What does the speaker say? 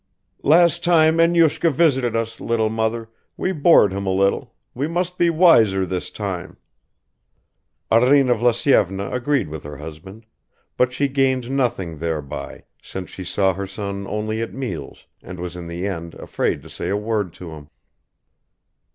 "Last time Enyushka visited us, little mother, we bored him a little; we must be wiser this time." Arina Vlasyevna agreed with her husband, but she gained nothing thereby, since she saw her son only at meals and was in the end afraid to say a word to him.